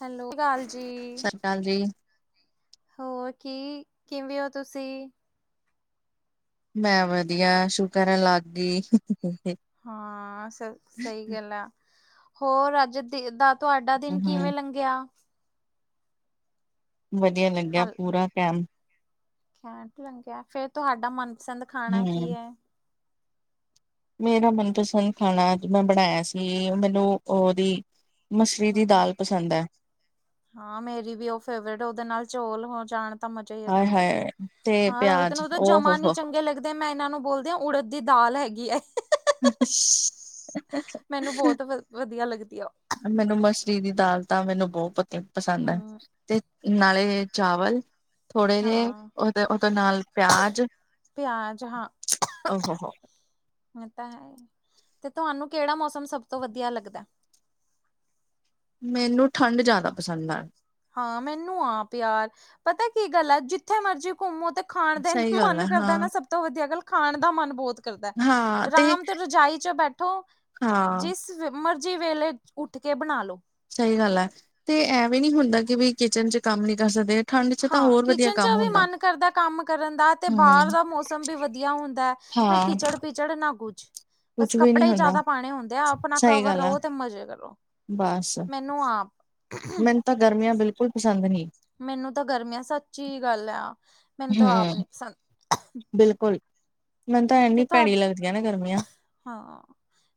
Hello ਕਾਲ ਜੀ, ਹਾਂਜੀ ਹੋਰ ਕੀ ਕਿਵੇਂ ਹੋ ਤੁਸੀਂ? ਮੈਂ ਵਧੀਆ ਸ਼ੁਕਰ ਐ ਲੱਗ ਗਈ। ਹਾਂ ਸ ਸਈ ਗੱਲ ਐ ਹੋਰ ਅੱਜ ਦੇ ਦਾ ਤੁਹਾਡਾ ਦਿਨ ਹੂੰ, ਕਿਵੇਂ ਲੰਘਿਆ? ਵਧੀਆ ਲੰਗਿਆ ਪੂਰਾ ਟੈਮ। ਲੰਗਿਆ ਫੇਰ ਤੁਹਾਡਾ ਮਨਪਸੰਦ ਖਾਣਾ ਕੀ ਹੂੰ। ਐ? ਮੇਰਾ ਮਨਪਸੰਦ ਖਾਣਾ ਅੱਜ ਮੈਂ ਬਣਾਇਆ ਸੀ ਮੈਨੂੰ ਓਦੀ ਮਛਰੀ ਦੀ ਹਮ ਦਾਲ ਪਸੰਦ ਐ। ਹਾਂ ਮੇਰੀ ਵੀ ਓ ਫੇਵਰੇਟ ਓਦੇ ਨਾਲ ਚੋਲ ਹੋ ਜਾਣ ਤਾਂ ਮਜ਼ਾ ਈ ਆ ਹਾਏ ਜਾਂਦੈ ਹਾਏ ਤੇ ਹਾਂ ਰੋਹਿਤ ਪਿਆਜ ਨੂੰ ਤਾਂ ਓ ਹੋ ਜਮਾ ਨੀ ਹੋ। ਚੰਗੇ ਲੱਗ ਤੇ ਮੈਂ ਏਨਾਂ ਨੂੰ ਬੋਲਦੀ ਆ ਉੜਦ ਦੀ ਦਾਲ ਹੈਗੀ ਐ। ਮੈਨੂੰ [unintelligible] ਬਹੁਤ ਵ ਵਧੀਆ ਲੱਗਦੀ ਆ ਮੈਨੂੰ ਮਛਰੀ ਦੀ ਦਾਲ ਤਾਂ ਮੈਨੂੰ ਬਹੁਤ ਪਸੰਦ ਐ ਹਮ ਤੇ ਨਾਲੇ ਚਾਵਲ। ਥੋੜੇ ਜੇ ਹਾਂ ਓਦੇ-ਓਦੇ ਨਾਲ ਪਿਆਜ ਪਿਆਜ ਓ ਹੋ-ਹੋ ਓ ਤਾਂ ਹੈ ਤੇ ਤੁਹਾਨੂੰ ਕੇੜਾ ਮੌਸਮ ਸਭ ਤੋਂ ਵਧੀਆ ਲੱਗਦੈ। ਮੈਨੂੰ ਠੰਡ ਜਾਦਾ ਪਸੰਦ ਆ। ਹਾਂ ਮੈਨੂੰ ਆਪ ਯਾਰ ਪਤਾ ਕੀ ਗੱਲ ਐ ਜਿੱਥੇ ਮਰਜੀ ਘੁੰਮੋ ਤੇ ਖਾਣ ਦਾ ਸਹੀ ਗੱਲ ਮਨ ਹੈ ਕਰਦਾ ਹਾਂ ਨਾ ਸਭ ਤੋਂ ਵਧੀਆ ਗੱਲ ਖਾਣ ਦਾ ਮਨ ਬੋਤ ਕਰਦੈ। ਹਾਂ ਤੇ ਰਾਮ ਤੋਂ ਰਜਾਈ ਚ ਬੈਠੋ ਹਾਂ ਜਿਸ ਮਰਜੀ ਵੇਲੇ ਉੱਠ ਕੇ ਬਣਾਲੋ। ਸਈ ਗੱਲ ਹੈ ਤੇ ਐਵੇਂ ਨੀ ਹੁੰਦਾ ਕਿ ਵੀ ਕਿਚਨ ਚ ਕੰਮ ਨੀ ਕਰ ਸਕਦੇ। ਠੰਡ ਚ ਤਾਂ ਹਾਂ ਹੋਰ ਵਧੀਆ ਕਿਚਨ ਚ ਕੰਮ ਵੀ ਹੁੰਦਾ। ਮਨ ਕਰਦੈ ਕੰਮ ਕਰਨ ਦਾ ਤੇ ਹੂੰ ਬਾਹਰ ਦਾ ਮੌਸਮ ਵੀ ਵਧੀਆ ਹੁੰਦੈ। ਨਾ ਹਾਂ ਕੀਚੜ ਪੀਚੜ ਨਾ ਕੁੱਛ। ਬਸ ਕੁਛ ਵੀ ਨੀ ਕੱਪੜੇ ਈ ਹੁੰਦਾ ਜਾਦਾ ਪਾਣੇ ਹੁੰਦੇ ਆ ਆਪਣਾ ਸਹੀ ਕਵਰ ਗੱਲ ਆ ਰੋ ਤੇ ਮਜ਼ੇ ਕਰੋ ਬਸ। ਮੈ ਨੂੰ ਆਪ ਮੈਨੂੰ ਤਾਂ ਗਰਮੀਆਂ ਬਿਲਕੁੱਲ ਪਸੰਦ ਨੀ। ਮੈਨੂੰ ਤਾਂ ਗਰਮੀਆਂ ਸੱਚੀ ਗੱਲ ਆ ਮੈਨੂੰ ਤਾਂ ਆਪ ਨੀ ਪਸੰਦ। ਬਿਲਕੁੱਲ ਮੈਨੂੰ ਤਾਂ ਤੇ ਐਨੀ ਤੁਹਾ ਭੈਂਡੀ ਲੱਗਦੀਆਂ ਨਾ ਗਰਮੀਆਂ। ਹਾਂ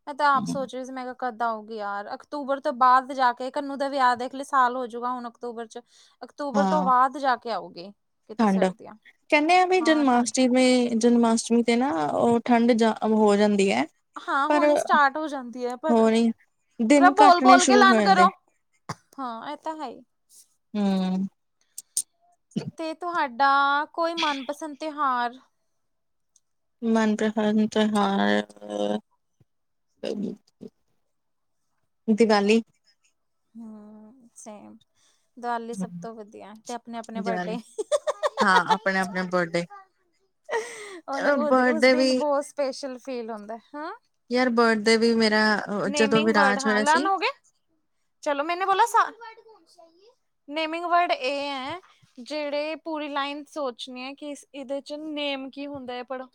ਮੈਂ ਤਾਂ [unintelligible] ਮੈਂ ਕਦ ਆਊਗੀ ਯਾਰ ਅਕਤੂਬਰ ਤੋਂ ਬਾਦ ਜਾ ਕੇ ਕਨੂੰ ਦਾ ਵਿਆਹ ਦੇਖਲੀ ਸਾਲ ਹੋਜੂਗਾ ਹੁਣ ਅਕਤੂਬਰ ਚ ਅਕਤੂਬਰ ਤੋਂ ਹਾਂ ਬਾਦ ਜਾ ਕੇ ਅਉਗੀ। ਠੰਡ ਕਹਿੰਨੇ ਆ ਵੀ ਠੰਡ ਜਨਮਾਸ਼ਟਮੀ ਜਨਮਾਸ਼ਟਮੀ ਤੇ ਨਾ ਓਹ ਠੰਡ ਜਾ ਹੋ ਜਾਂਦੀ ਐ। ਹਾਂ ਹੋਣੀ ਸਟਾਰਟ ਹੋ ਜਾਂਦੀ ਐ ਪਰ। ਨੀ ਦਿਨ ਪ੍ਰਭ ਘੱਟਣੇ ਬੋਲ-ਬੋਲ ਕੇ ਸ਼ੁਰੂ ਹੋ ਲਰਨ ਜਾਂਦੇ ਕਰੋ ਹਾਂ ਐ ਤਾਂ ਹੈ ਈ। ਹੂੰ [unintelligible] ਤੇ ਤੁਹਾਡਾ ਕੋਈ ਮਨਪਸੰਦ ਤਿਉਹਾਰ? ਮਨਪਸੰਦ ਤਿਉਹਾਰ [unintelligible] ਦੀਵਾਲੀ। ਹੂੰ ਸੇਮ ਦੀਵਾਲੀ ਸਭ ਤੋਂ ਵਧੀਆ ਤੇ ਆਪਣੇ ਆਪਣੇ ਬਰਡੇ। ਦੀਵਾਲੀ ਹਾਂ ਆਪਣੇ-ਆਪਣੇ ਬਰਡੇ ਓਨ ਓ ਦੇ ਉਸ ਬਰਡੇ ਵੀ ਦਿਨ ਬੋਤ ਸਪੈਸ਼ਲ ਫੀਲ ਹੁੰਦੈ ਹਾਂ। ਯਾਰ ਬਰਡ ਡੇ ਵੀ ਮੇਰਾ ਜਦੋਂ ਵਿਰਾਜ ਹੋਇਆ ਸੀ। ਚਲੋ ਮੈਨੇ ਬੋਲਾ ਸਾ ਨੇਮਿੰਗ ਵਰਡ ਏ ਐ। ਜੇੜ੍ਹੇ ਪੂਰੀ ਲਾਈਨ ਸੋਚਣੀ ਆ ਕੀ ਇਸ ਇਦੇ ਚ ਨੇਮ ਕੀ ਹੁੰਦੈ ਪੜੋ।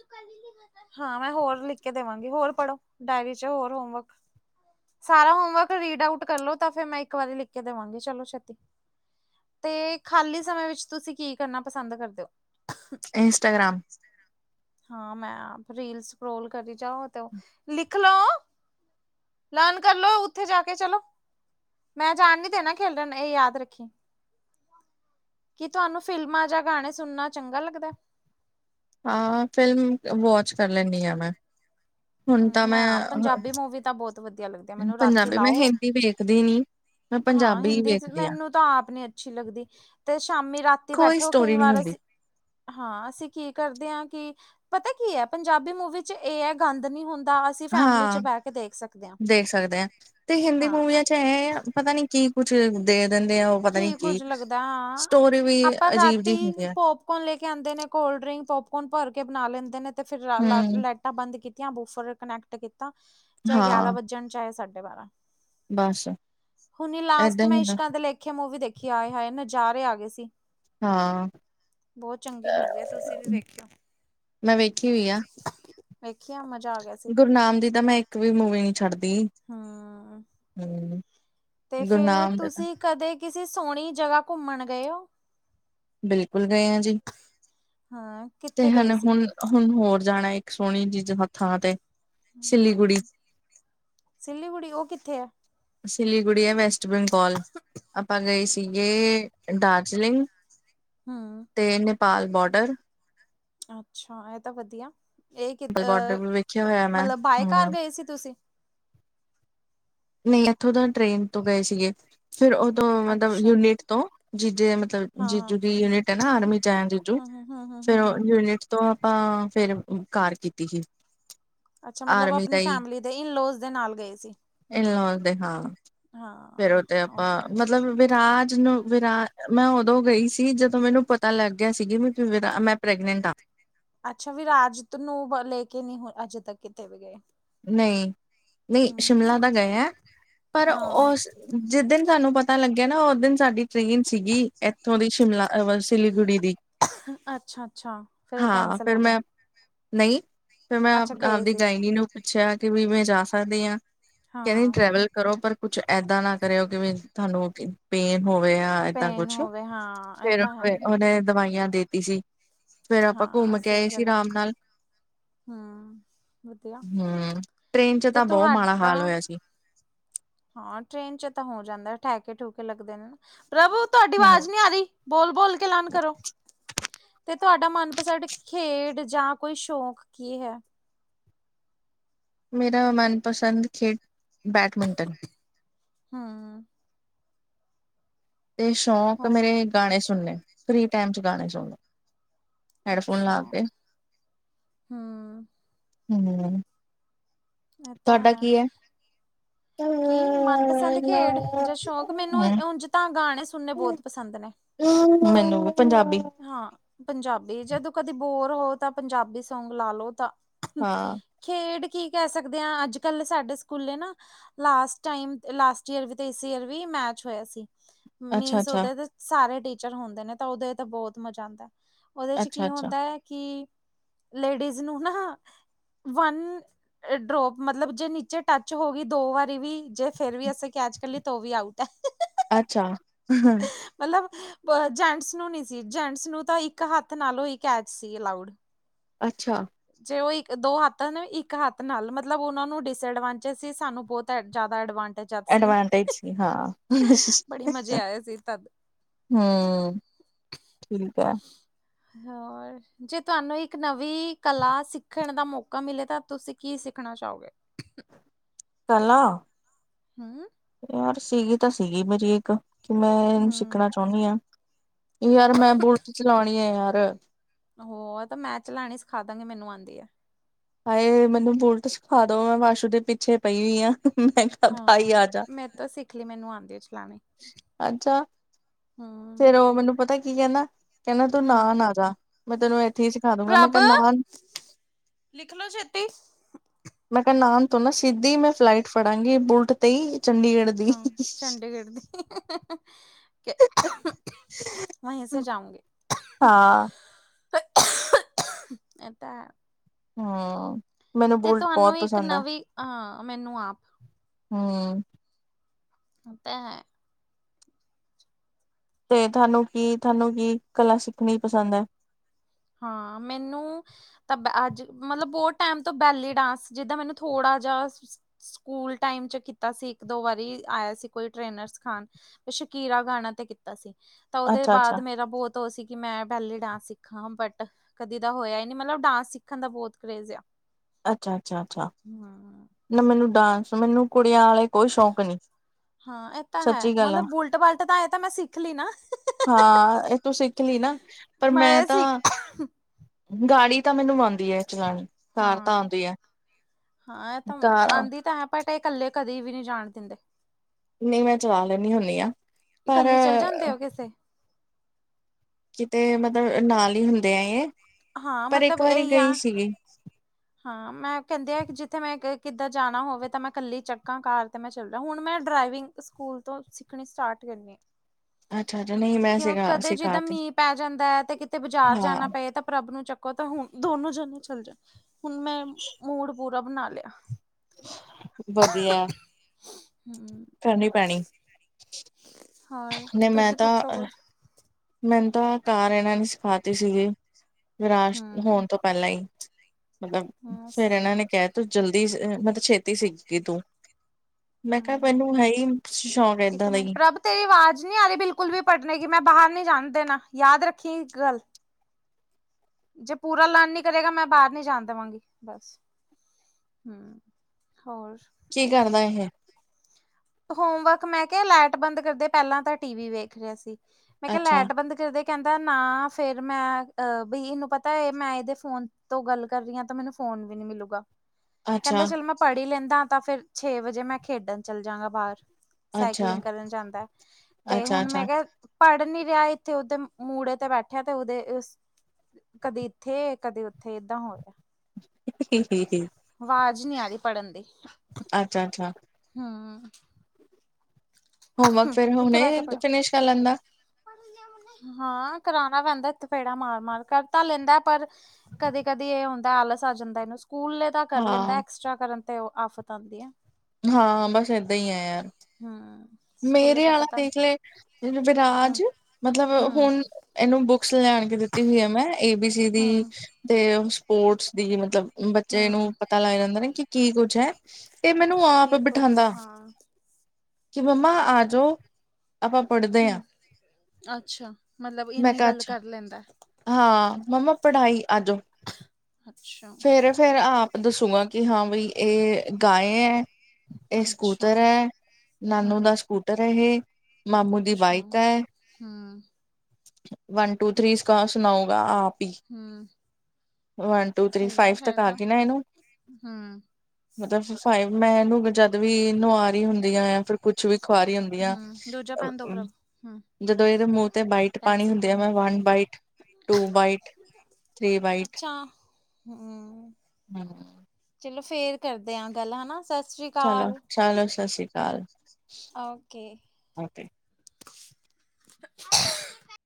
ਹਾਂ ਮੈਂ ਹੋਰ ਲਿਖ ਕੇ ਦੇਵਾਂਗੀ ਹੋਰ ਪੜ੍ਹੋ ਡਾਇਰੀ ਚ ਹੋਰ ਹੋਮਵਰਕ ਸਾਰਾ ਹੋਮਵਰਕ ਰੀਡ ਆਊਟ ਕਰਲੋ ਤਾਂ ਫਿਰ ਮੈਂ ਇੱਕ ਵਾਰੀ ਲਿਖ ਕੇ ਦੇਵਾਂਗੀ ਚਲੋ ਛੇਤੀ। ਤੇ ਖਾਲੀ ਸਮੇਂ ਵਿੱਚ ਤੁਸੀਂ ਕੀ ਕਰਨਾ ਪਸੰਦ ਕਰਦੇ ਓ? ਇੰਸਟਾਗ੍ਰਾਮ। ਹਾਂ ਮੈਂ ਰੀਲ ਸਕਰੋਲ ਕਰੀ ਜਾਓ ਤੇ ਲਿਖ ਲੋ। ਲਰਨ ਕਰਲੋ ਉੱਥੇ ਜਾ ਕੇ ਚਲੋ। ਮੈਂ ਜਾਣ ਨੀ ਦੇਣਾ ਖੇਡਣ ਏ ਯਾਦ ਰੱਖੀ। ਕੀ ਤੁਹਾਨੂੰ ਫਿਲਮਾਂ ਜਾਂ ਗਾਣੇ ਸੁਣਨਾ ਚੰਗਾ ਲੱਗਦੈ। ਹਾਂ ਫਿਲਮ ਵਾਚ ਕਰ ਲੈਂਦੀ ਆ ਮੈਂ ਹੁਣ ਹਮ ਤਾਂ ਮੈਂ ਅਹ, ਪੰਜਾਬੀ ਮੂਵੀ ਤਾਂ ਬਹੁਤ ਵਧੀਆ ਲੱਗਦੀ ਆ ਮੈਨੂੰ ਰਾਤੀ ਪੰਜਾਬੀ ਮੈਂ ਲਾਓ ਹਿੰਦੀ ਵੇਖਦੀ ਨੀ ਮੈਂ ਹਾਂ ਪੰਜਾਬੀ ਹੀ ਹਿੰਦੀ ਚ ਵੇਖਦੀ ਆ ਮੈਨੂੰ ਤਾਂ ਆਪ ਨੀ ਅੱਛੀ ਲੱਗਦੀ ਤੇ ਸ਼ਾਮੀ ਰਾਤੀ ਕੋਈ ਬੈਠੋ ਕਈ ਸਟੋਰੀ ਨਹੀਂ ਵਾਰ ਹੁੰਦੀ ਅਸੀਂ [inaudible] ਹਾਂ ਅਸੀਂ ਕੀ ਕਰਦੇ ਹਾਂ ਕਿ ਪਤਾ ਕੀ ਹੈ। ਪੰਜਾਬੀ ਮੂਵੀ ਚ ਇਹ ਹੈ ਗੰਦ ਨੀ ਹੁੰਦਾ। ਅਸੀਂ ਫੈਮਿਲੀ ਚ ਹਾਂ ਬਹਿ ਕੇ ਦੇਖ ਸਕਦੇ ਹਾਂ ਦੇਖ ਸਕਦੇ ਆ ਤੇ ਹਿੰਦੀ ਹਾਂ ਮੂਵੀਆਂ ਚ ਇਹ ਆ ਪਤਾ ਨੀ ਕੀ ਪੁੱਛ ਦੇ ਨੇ ਦੇ ਦਿੰਦੇ ਆ ਉਹ ਪਤਾ ਨੀ ਕੀ ਕੁੱਝ ਲੱਗਦਾ ਹਾਂ ਸਟੋਰੀ ਵੀ ਅਜੀਬ ਜਿਹੀ ਹੁੰਦੀ ਹੈ। ਕੋਨ ਲੈ ਕੇ ਆਂਦੇ ਨੇ, ਕੋਲਡ ਡਰਿੰਕ, ਪੋਪਕੋਰਨ ਭਰ ਕੇ ਬਣਾ ਲੈਂਦੇ ਨੇ ਤੇ ਫਿਰ ਰਾ ਲਾ ਹੂੰ ਲੈ ਟਾਂ ਬੰਦ ਕੀਤੀਆਂ, ਬੂਫਰ ਕਨੈਕਟ ਕੀਤਾ, ਚਾਹੇ ਗਿਆਰਾਂ ਹਾਂ ਵੱਜਣ ਚਾਹੇ ਸਾਢੇ ਬਾਰਾਂ। ਬਸ ਹੁਨੀ ਲਾਸਟ ਏਦਾਂ ਹੀ ਮੈਂ ਹੁੰਦਾ ਇਸ਼ਕਾਂ ਦੇ ਲੇਖ ਕਿਆ ਮੂਵੀ ਦੇਖੀ ਆਏ ਹਾਏ ਨਜ਼ਾਰੇ ਆ ਗਏ ਸੀ। ਹਾਂ। ਬਹੁਤ ਚੰਗੀ ਮੂਵੀ ਹੈ ਤੁਸੀਂ ਵੀ ਵੇਖਿਓ ਮੈ ਵੇਖੀ ਹੋਈ ਆ। ਵੇਖੀ ਆ ਮੈਂ। ਗੁਰਨਾਮ ਦੀ ਤਾ ਮੈਂ ਇੱਕ ਵੀ ਮੂਵੀ ਨੀ ਛੱਡਦੀ। ਹੁੰ। ਹੂੰ। ਤੇ ਫਿਰ ਗੁਰਨਾਮ ਦੇ ਤਾਂ ਤੁਸੀ ਕਦੇ ਕਿਸੇ ਸੋਣੀ ਜਗ੍ਹਾ ਘੁੰਮਣ ਗਏ ਓ? ਬਿਲਕੁਲ ਗਏ ਆਂ ਜੀ, ਹਾਂ ਤੇ ਕਿੱਥੇ ਹਨ ਗਏ ਸੀ? ਹੁਨ ਹੁਨ ਹੋਰ ਜਾਣਾ ਇੱਕ ਸੋਣੀ ਜੀ ਜਹ ਥਾਂ ਤੇ। ਸਿਲੀਗੁੜੀ ਹਾਂ ਸਿਲੀਗੂੜੀ, ਸਿਲੀਗੁੜੀ ਓ ਕਿੱਥੇ ਐ? ਸਿਲੀਗੁੜੀ ਐ ਵੈਸਟ ਬੰਗੋਲ। ਆਪਾਂ ਗਏ ਸੀਗੇ ਦਾਰਜਲਿੰਗ ਹੂੰ। ਤੇ ਨੇਪਾਲ ਬੋਡਰ ਅੱਛਾ ਏ ਤਾਂ ਵਧੀਆ, ਏ ਕਿ ਨੇਪਾਲ ਬੋਡਰ ਵੀ ਵੇਖਿਆ ਹੋਇਆ ਮੈਂ ਮਤਲਬ ਬਾਏ ਕਾਰ ਹੂੰ ਗਏ ਸੀ ਤੁਸੀਂ? ਨਈ ਇਥੋਂ ਦਾ ਟ੍ਰੇਨ ਤੋਂ ਗਏ ਸੀਗੇ ਫਿਰ ਉਦੋਂ ਮਤਲਬ ਅੱਛਾ ਯੂਨਿਟ ਤੋਂ ਜਿਜੈ ਮਤਲਬ ਹਾਂ। ਜੀਜੂ ਦੀ ਯੂਨਿਟ ਐ ਨਾ ਆਰਮੀ ਚ ਆਇਆ ਜੀਜੂ ਹੂੰ ਹੂੰ ਹੂੰ ਹੂੰ ਫੇਰ ਹੂੰ ਹੂੰ ਯੂਨਿਟ ਤੋਂ ਆਪਾਂ ਫੇਰ ਕਾਰ ਕੀਤੀ ਹੀ। ਅੱਛਾ ਮਤਲਬ ਆਰਮੀ ਆਪਣੀ ਫੈਮਿਲੀ ਦੇ ਇਨਲੋਸ ਦੇ ਨਾਲ ਗਏ ਸੀ। ਇਨ ਦੇ ਹਾਂ ਫੇਰ ਓ ਹਾਂ ਤੇ ਆਪਾਂ ਓਕੇ ਮਤਲਬ ਵਿਰਾਜ ਨੂੰ ਵਿਰਾ ਮੈਂ ਉਦੋਂ ਗਈ ਸੀ ਜਦੋਂ ਮੈਨੂੰ ਪਤਾ ਲੱਗ ਗਿਆ ਸੀਗੀ ਵੀਰਾ ਮੈਂ ਪ੍ਰੈਗਨੈਂਟ ਆ। ਅੱਛਾ ਵੀ ਰਾਜ ਨੂੰ ਲੈ ਕੇ ਨੀ ਅਜੇ ਤੱਕ ਕਿਤੇ ਵੀ ਗਏ। ਨਈ ਨੀ ਸ਼ਿਮਲਾ ਹੂੰ ਤਾਂ ਗਏ ਐ ਪਰ ਹਾਂ ਉਸ ਜਿਸ ਦਿਨ ਸਾਨੂੰ ਪਤਾ ਲੱਗਿਆ ਨਾ ਓ ਦਿਨ ਸਾਡੀ ਟ੍ਰੇਨ ਸੀਗੀ ਇੱਥੋਂ ਦੀ ਸ਼ਿਮਲਾ ਸਿਲੀਗੁੜੀ ਦੀ ਼ ਅੱਛਾ-ਅੱਛਾ ਫਿਰ ਓ ਕੈਂਸਲ ਹੋ ਗਿਆ। ਨਈ ਫਿਰ ਮੈਂ ਆਪ ਅੱਛਾ ਗਏ ਆਪਦੀ ਸੀ ਗਾਇਨੀ ਨੂੰ ਪੁੱਛਿਆ ਕਿ ਵੀ ਮੈਂ ਜਾ ਸਕਦੀ ਆ ਕਹਿੰਦੀ ਹਾਂ ਟਰੈਵਲ ਕਰੋ ਪਰ ਕੁਛ ਏਦਾਂ ਨਾ ਕਰਿਓ ਕਿ ਤੁਹਾਨੂੰ ਪੇਨ ਹੋਵੇ ਆ ਏਦਾਂ ਪੇਨ ਕੁਛ ਹੋਵੇ ਹਾਂ ਇਹ ਫੇਰ ਤਾਂ ਹੈ ਹੀ। ਓਨੇ ਦਵਾਈਆਂ ਦੇਤੀ ਸੀ ਫਿਰ ਆਪਾਂ ਘੁੰਮ ਕੇ ਸਹੀ ਆਏ ਸੀ ਗੱਲ ਆ ਆਰਾਮ ਨਾਲ ਹਾਂ, ਵਧੀਆ ਹੂੰ ਟ੍ਰੇਨ ਚ ਤੇ ਤਾਂ ਬਹੁਤ ਮਾੜਾ ਤੁਹਾਡਾ ਹਾਲ ਹੋਇਆ ਸੀ। ਹਾਂ ਟ੍ਰੇਨ ਚ ਤਾਂ ਹੋ ਜਾਂਦਾ ਠੈਕੇ ਠੂਕੇ ਲੱਗਦੇ ਨੇ ਨਾ ਪ੍ਰਭੂ ਤੁਹਾਡੀ ਹੂੰ ਆਵਾਜ਼ ਨੀ ਆ ਰਈ ਬੋਲ-ਬੋਲ ਕੇ ਐਲਾਨ ਕਰੋ। ਤੇ ਤੁਹਾਡਾ ਮਨਪਸੰਦ ਖੇਡ ਜਾਂ ਕੋਈ ਸ਼ੌਕ ਕੀ ਹੈ? ਮੇਰਾ ਮਨਪਸੰਦ ਖੇਡ ਬੈਡਮਿੰਟਨ। ਹੂੰ। ਤੇ ਸ਼ੌਂਕ ਹੋਰ ਮੇਰੇ ਗਾਣੇ ਸੁਣਨੇ ਫ੍ਰੀ ਟਾਈਮ ਚ ਗਾਣੇ ਸੁਣਨੇ ਹੈੇਡਫੋਨ ਅੱਛਾ ਲਾ ਕੇ ਹੂੰ ਹੂੰ ਮੈਂ ਤਾਂ ਤੁਹਾਡਾ ਆ ਕੀ ਹੈ? ਕੀ ਮਨਪਸੰਦ ਖੇਡ ਜਾਂ ਸ਼ੌਕ ਮੈਨੂੰ ਹੂੰ ਉਝ ਤਾਂ ਗਾਣੇ ਸੁਣਨੇ ਬਹੁਤ ਪਸੰਦ ਨੇ?? [unintelligible] ਮੈਨੂੰ ਵੀ ਪੰਜਾਬੀ ਹਾਂ ਪੰਜਾਬੀ ਜਦੋਂ ਕਦੀ ਬੋਰ ਹੋ ਤਾਂ ਪੰਜਾਬੀ ਸੌਗ ਲਾ ਲੋ ਤਾਂ ਹਾਂ ਖੇਡ ਕੀ ਕਹਿ ਸਕਦੇ ਹਾਂ ਅੱਜ ਕੱਲ ਸਾਡੇ ਸਕੂਲੇ ਨਾ ਲਾਸਟ ਟਾਈਮ ਲਾਸਟ ਈਅਰ ਵੀ ਇਸ ਈਅਰ ਵੀ ਮੈਚ ਹੋਇਆ ਸੀ ਅੱਛਾ ਮੀਨਸ ਅੱਛਾ ਓਦੇ ਸਾਰੇ ਟੀਚਰ ਹੁੰਦੇ ਨੇ ਤਾਂ ਉਹਦੇ ਤੇ ਬਹੁਤ ਮਜ਼ਾ ਆਂਦਾ ਉਹਦੇ ਚ ਅੱਛਾ ਕੀ ਅੱਛਾ ਹੁੰਦੈ ਕਿ ਲੇਡੀਜ਼ ਨੂੰ ਨਾ ਵਨ ਡਰੋਪ ਮਤਲਬ ਜੇ ਨੀਚੇ ਟੱਚ ਹੋ ਗਈ ਦੋ ਵਾਰ ਵੀ ਜੇ ਫੇਰ ਵੀ ਅਸੀਂ ਕੈਚ ਕਰੀ ਤ ਉਹ ਵੀ ਆਊਟ ਹੈ। ਅੱਛਾ ਹ ਮਤਲਬ ਜੈਂਟਸ ਨੂੰ ਨੀ ਸੀ ਜੈਂਟਸ ਨੂੰ ਤਾਂ ਇੱਕ ਹੱਥ ਨਾਲੋਂ ਹੀ ਕੈਚ ਸੀ ਅਲਾਉਡ ਅੱਛਾ ਜੇ ਉਹ ਇੱਕ ਦੋ ਹੱਥ, ਇੱਕ ਹੱਥ ਨਾਲ ਮਤਲਬ ਉਹਨਾ ਨੂੰ ਡਿਸੈਡਵਾਂਟੇਜ ਸੀ ਸਾਨੂੰ ਬੌਤਾ ਜੈਦਾ ਐਡਵਾਂਟੇਜ ਸੀ ਐਡਵਾਂਟੇਜ ਸੀ ਹਾਂ। ‌ [unintelligible] ਹੂੰ ਠੀਕ ਐ। ਹੋਰ, ਜੇ ਤੁਆਨੂੰ ਇੱਕ ਨਵੀਂ ਕਲਾ ਸਿੱਖਣ ਦਾ ਮੌਕਾ ਮਿਲੇ ਤਾਂ ਤੁਸੀਂ ਕੀ ਸਿੱਖਣਾ ਚਾਓਗੇ? ਕਲਾ ਹੂੰ। ਯਾਰ ਸੀਗੀ ਤਾਂ ਸੀਗੀ ਮੇਰੀ ਇੱਕ। ਕਿ ਮੈਂ ਇਨੂੰ ਹੂੰ ਸਿੱਖਣਾ ਚਾਹੁੰਨੀ ਆ, ਯਾਰ ਮੈਂ ਬੁਲਟ ਚਲਾਉਣੀਏ ਯਾਰ। ਹੋ ਏਤਾਂ ਮੈਂ ਚਲਾਣੀ ਸਿਖਾ ਦਾਂਗੀ ਮੈਨੂੰ ਆਂਦੀ ਐ। ਹਾਏ ਮੈਨੂੰ ਬੂਲਟ ਸਿਖਾ ਦੋ ਮੈਂ ਵਾਸ਼ੂ ਦੇ ਪਿੱਛੇ ਪਈ ਹੋਈ ਆ, ਮੈਂ ਭਾਈ ਹਾਂ, ਆ ਜਾ ਮੈਂ ਤਾਂ ਸਿੱਖ ਲਈ ਮੈਨੂੰ ਆਂਦੀ ਏ ਚਲਾਣੀ ਅੱਛਾ ਹੂੰ। ਫੇਰ ਉਹ ਮੈਨੂੰ ਪਤਾ ਕੀ ਕੈਂਦਾ, ਕੈਂਦਾ ਤੂੰ ਹਮ ਨਾਨ ਆਜਾ ਮੈਂ ਤੈਨੂੰ ਏ ਥੀ ਸਿਖਾ ਦੂੰਗਾ ਮੈਂ ਪ੍ਰਭ ਕਿਆ ਨਾਨ ਲਿਖ ਲੋ ਛੇਤੀ ਮੈਂ ਕਿਹਾ ਨਾਨ ਤੋਂ ਨਾ ਸਿੱਧੀ ਮੈਂ ਫਲਾਈਟ ਫੜਾਂਗੀ ਬੁਲਟ ਤੇ ਈ ਚੰਡੀਗੜ੍ਹ ਦੀ ਹਾਂ, ਚੰਡੀਗੜ੍ਹ ਦੀ [unintelligible] ਵਹੀ ਸੇ ਜਾਊਂਗੀ ਹਾਂ ਏ ਤਾਂ ਐ। ਹਾਂ। ਤੇ ਤੁਆਨੂੰ ਇੱਕ ਨਵੀਂ ਅਹ ਮੈਨੂੰ ਆਪ ਹੂੰ। ਓ ਤਾਂ ਹੈ। ਤੇ ਤੁਆਨੂੰ ਕੀ, ਤੁਆਨੂੰ ਕੀ ਕਲਾ ਸਿੱਖਣੀ ਪਸੰਦ ਐ। ਹਾਂ, ਮੈਨੂੰ ਤ ਬ ਅੱਜ ਮਤਲਬ ਬੌਤ ਟੈਮ ਤੋਂ ਬੈਲੀ ਡਾਂਸ ਜਿਦਾਂ ਮੈਨੂੰ ਥੋੜਾ ਜਾ ਸਕੂਲ ਟਾਈਮ ਚ ਕੀਤਾ ਸੀ ਇੱਕ-ਦੋ ਵਾਰੀ ਆਇਆ ਸੀ ਕੋਈ ਟ੍ਰੇਨਰ ਸਿੱਖਾਨ। ਸ਼ਕੀਰਾ ਗਾਣਾ ਤੇ ਕੀਤਾ ਸੀ ਤਾਂ ਉਦੇ ਅੱਛਾ-ਅੱਛਾ, ਬਾਦ ਮੇਰਾ ਬੌਤ ਓ ਸੀ ਕਿ ਮੈਂ ਬੈਲੀ ਡਾਂਸ ਸਿੱਖਾ। ਹਾਂ, ਬਟ ਕਦੀ ਦਾ ਹੋਇਆ ਈ ਨੀ ਮਤਲਬ ਡਾਂਸ ਸਿੱਖਣ ਦਾ ਬਹੌਤ ਕਰੇਜ ਆ। ਅੱਛਾ, ਅੱਛਾ, ਅੱਛਾ। ਹਾਂ। ਨਾ ਮੈਨੂੰ ਡਾਂਸ, ਮੈਨੂੰ ਕੁੜੀਆਂ ਆਲੇ ਕੋਈ ਸ਼ੌਕ ਨੀ। ਹਾਂ, ਐ ਤਾਂ ਹੈ ਸੱਚੀ ਗੱਲ ਆ ਮਤਲਬ ਬੁਲਟ ਬਲਟ ਤਾਂ ਐਤਾਂ ਮੈਂ ਸਿੱਖ ਲਈ ਨਾ। ਹਾਂ ਐ ਤੂੰ ਸਿੱਖ ਲਈ ਨਾ ਪਰ ਮੈਂ ਇਹ ਸਿੱਖ ਤਾਂ ਗਾੜੀ ਤਾਂ ਮੈਨੂੰ ਆਂਦੀ ਐ ਚਲਾਣੀ ਕਾਰ ਤਾਂ ਹਾਂ ਆਉਂਦੀ ਐ। ਹਾਂ ਐ ਤਾਂ ਆਂਦੀ ਤਾਂ ਹੈ ਬਟ ਏ ਕੱਲੇ ਕਦੇ ਵੀ ਨਈ ਜਾਣ ਦਿੰਦੇ। ਨਈ ਮੈਂ ਚਲਾ ਲੈਂਦੀ ਹੁਣੀ ਆ ਪਰ ਇਕੱਲੀ ਚੱਲ ਜਾਂਦੇ ਹੋ ਕਿਸੇ ਕਿਤੇ ਮਤਲਬ ਨਾਲ ਈ ਹੁੰਦੇ ਐ ਏ ਹਾਂ ਪਰ ਇੱਕ ਮਤਲਬ ਵਾਰੀ ਇਹੀ ਆ ਗਈ ਸੀਗੀ। ਹਾਂ, ਮੈਂ ਕੈਂਦੇ ਆ ਜਿੱਥੇ ਮੈਂ ਕਿੱਦਾਂ ਜਾਣਾ ਹੋਵੇ ਤਾਂ ਮੈਂ ਕੱਲੀ ਚੱਕਾਂ ਕਾਰ ਮੈਂ ਚੱਲ ਜਾਉ, ਹੁਣ ਮੈਂ ਡਰਾਈਵਿੰਗ ਸਕੂਲ ਤੋਂ ਸਿੱਖਣੀ ਸਟਾਰਟ ਕਰਨੀ। ਅੱਛਾ-ਅੱਛਾ ਨਹੀਂ ਮੈਂ ਕਿਉਂ ਸਿਖਾ ਕਦੇ ਸਿਖਾ ਜਿੱਦਾਂ ਤੇ ਮੀਂਹ ਪੈ ਜਾਂਦਾ ਐ ਤੇ ਕਿਤੇ ਬਾਜ਼ਾਰ ਹਾਂ ਜਾਣਾ ਪਏ ਤਾਂ ਪ੍ਰੱਬ ਨੂੰ ਚੱਕੋ ਤਾਂ ਹੁਣ ਦੋਨੋ ਜਣੇ ਚੱਲ ਜਾ ਹੁਣ ਮੈਂ ਮੂਡ ਪੂਰਾ ਬਣਾ ਲਿਆ। ਵਦੀਆ। ਹੂੰ। ਕਰਣੀ ਪੈਣੀ। ਹੋਰ, ਤੁਸੀਂ ਪੁੱਛੋ ਕੁੱਝ। ਮੈਨ ਤਾਂ ਕਾਰ ਇਨਾਂ ਨੇ ਸਿਖਾਤੀ ਸੀਗੀ। ਵਿਰਾਸ਼ਤ ਹਮ ਹੋਣ ਤੋਂ ਪੈਲਾਂ ਈ ਮਤਲਬ ਬਸ ਫੇਰ ਇਨਾਂ ਨੇ ਕੈ ਤੁ ਜਲਦੀ ਮਤਲਬ ਛੇ ਤੀ ਸਿੱਖ ਗੀ ਤੂੰ, ਮੈਂ ਕਿਆ ਹਮ ਮੈਨੂੰ ਹੈ ਹੀ ਸ਼ੌਕ ਇੱਕ ਏਦਾਂ ਦਾ ਮਿੰਟ ਹੈ। ਪ੍ਰਭ ਤੇਰੀ ਆਵਾਜ਼ ਨਹੀਂ ਆ ਰਹੀ ਬਿਲਕੁਲ ਵੀ ਪੜ੍ਹਨੇ ਕਿ ਮੈਂ ਬਾਹਰ ਨੀ ਜਾਣ ਦੇਣਾ, ਯਾਦ ਰੱਖੀ ਇੱਕ ਗੱਲ। ਜੇ ਪੂਰਾ ਲਰਨ ਨੀ ਕਰੇਗਾ ਮੈਂ ਬਾਹਰ ਨੀ ਜਾਣ ਦੇਵਾਂਗੀ, ਬਸ। ਹੂੰ ਹੋਰ ਕੀ ਕਰਦਾ ਇਹ? ਹੋਮ ਵਰਕ ਮੈਂ ਕਿਹਾ ਲੈਟ ਬੰਦ ਕਰਦੇ, ਪਹਿਲਾਂ ਤਾਂ ਟੀ ਵੀ ਵੇਖ ਰਿਹਾ ਸੀ, ਮੈਂ ਕਿਹਾ ਅੱਛਾ ਲੈਟ ਬੰਦ ਕਰਦੇ। ਕਹਿੰਦਾ ਨਾ ਫੇਰ ਮੈਂ ਅਹ ਬਈ ਇਹਨੂੰ ਪਤਾ ਹੈ ਮੈਂ ਇਹਦੇ ਫੋਨ ਤੋਂ ਗੱਲ ਕਰ ਰਹੀ ਹਾਂ ਤਾਂ ਮੈਨੂੰ ਫੋਨ ਵੀ ਨੀ ਮਿਲੂਗਾ। ਕਹਿੰਦਾ ਅੱਛਾ ਚਲੋ ਮੈਂ ਪੜ੍ਹ ਹੀ ਲੈਂਦਾ, ਤਾਂ ਫਿਰ ਛੇ ਵਜੇ ਮੈਂ ਖੇਡਣ ਚੱਲ ਜਾਂਗਾ ਬਾਹਰ। ਅੱਛਾ ਸਾਈਕਲਿੰਗ ਕਰਨ ਜਾਂਦਾ ਤੇ ਅੱਛਾ ਹੁਣ ਮੈਂ ਕਿਹਾ ਪੜ੍ਹ ਨੀ ਰਿਹਾ ਇੱਥੇ ਉਹਦੇ ਮੁੜੇ ਤੇ ਬੈਠਿਆ ਤੇ ਓਦੇ। ਕਦੇ ਇੱਥੇ ਕਦੇ ਉੱਥੇ ਏਦਾਂ ਹੋ ਰਿਹਾ। [unintelligible] ਆਵਾਜ਼ ਨਹੀਂ ਆ ਰਹੀ ਪੜ੍ਹਨ ਦੀ। ਅੱਛਾ-ਅੱਛਾ। ਹਾਂ। ਹੋਮਵਰਕ ਫਿਰ ਇੱਥੇ ਹੁਣੇ ਬਹਿ ਕੇ ਪੜ੍ਹੋ ਫਿਨਿਸ਼ ਕਰ ਲੈਂਦਾ। ਹਾਂ ਕਰਾਣਾ ਪੈਂਦਾ ਥਪੇੜਾ ਮਾਰ-ਮਾਰ ਕਰ ਤਾਂ ਲੈਂਦਾ ਪਰ ਕਦੀ-ਕਦੀ ਏ ਹੁੰਦਾ ਆਲਸ ਆ ਜਾਂਦਾ ਇਹਨੂੰ ਸਕੂਲ ਨੇ ਤਾਂ ਕਰ ਲੈਂਦਾ ਹਾਂ ਐਕਸਟਰਾ ਕਰਨ ਤੇ ਉਹ ਆਫ਼ਤ ਆਂਦੀ ਹੈ। ਹਾਂ ਬਸ ਏਦਾਂ ਹੀ ਆ ਯਾਰ ਹਾਂ। ਮੇਰੇ ਆਲਾ ਦੇਖ ਲੈ, ਹੂੰ ਵਿਰਾਜ ਮਤਲਬ ਹੂੰ ਹੁਣ ਇਹਨੂੰ ਬੁੱਕਸ ਲਿਆਣ ਕੇ ਦਿੱਤੀ ਹੋਈ ਆ ਮੈਂ, ਏ ਬੀ ਸੀ ਦੀ ਹੂੰ ਤੇ ਸਪੋਰਟਸ ਦੀ ਮਤਲਬ ਬੱਚੇ ਨੂੰ ਹੂੰ ਪਤਾ ਲੱਗ ਜਾਂਦਾ ਨੇ ਕਿ ਕੀ ਕੁੱਛ ਹੈ ਤੇ ਮੈਨੂੰ ਆਪ ਕੀ ਕੁੱਝ ਆ ਬਿਠਾਂਦਾ। ਹਾਂ ਕਿ ਮੰਮਾ ਆਜੋ ਆਪਾਂ ਪੜ੍ਹਦੇ ਹਾਂ। ਹੂੰ ਅੱਛਾ ਮਤਲਬ ਮੈਂ ਇੰਨੀ ਕਿਹਾ ਗੱਲ ਅੱਛਾ ਕਰ ਲੈਂਦਾ। ਹਾਂ ਮੰਮਾ ਪੜ੍ਹਾਈ ਆਜੋ। ਅੱਛਾ। ਫੇਰ-ਫੇਰ ਆਪ ਦੱਸੂਗਾ ਕਿ ਹਾਂ ਬਈ ਇਹ ਗਾਯ ਐ। ਇਹ ਅੱਛਾ ਸਕੂਤਰ ਹੂੰ ਐ ਨਾਨੂ ਦਾ ਸਕੂਟਰ ਹੈ ਯੇ। ਅੱਛਾ ਹੂੰ। ਵਨ ਟੂ ਥ੍ਰਰੀ ਸਕ ਸੁਣਾਉਗਾ ਆਪ ਹੀ। ਹੂੰ। ਵਨ ਟੂ ਥ੍ਰੀ ਸਹੀ ਫਾਈਵ ਤੱਕ ਫੇਰ ਆ ਤਾਂ ਗਈ ਨਾ ਇਹਨੂੰ। ਹੂੰ ਮਤਲਬ ਫਾਈਵ ਮੈਂ ਇਹਨੂੰ ਜਦ ਵੀ ਨੁਆ ਰਹੀ ਹੁੰਦੀਆਂ ਹਾਂ ਯਾਂ ਫਿਰ ਕੁੱਛ ਵੀ ਖੁਆ ਰੀ ਹੁੰਦੀ ਆਂ ਹੂੰ ਦੂਜਾ ਅ ਪੈਨ ਦੋ ਪ੍ਰਭ ਹੂੰ ਜਦੋਂ ਇਹਦੇ ਮੂੰਹ ਤੇ ਬਾਈਟ ਪਾਣੀ ਪੈਨਸਿਲ ਹੁੰਦੀ ਦੋ ਆ, ਨਾ ਮੈਂ one byte, two byte three byte. ਅੱਛਾ ਹੂੰ। [unintelligible] ਚਲੋ, ਫੇਰ ਕਰਦੇ ਆ ਗੱਲ ਹਨਾ। ਸਤਿ ਸ੍ਰੀ ਚਲੋ, ਅਕਾਲ ਚਲੋ, ਸਤਿ ਸ਼੍ਰੀ ਅਕਾਲ। Okay okay